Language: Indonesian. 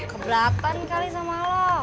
keberatan kali sama lo